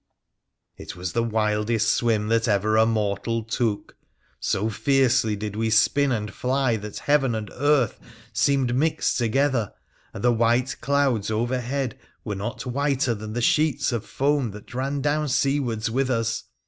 It was the wildest swim that ever a mortal took. So fiercely did we spin and fly that heaven and earth seemed mixed together, and the white clouds overhead were not whiter than the sheets of foam that ran down seawards with us.